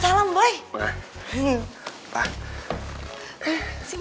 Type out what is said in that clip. sebenarnya kita ingin udah selesai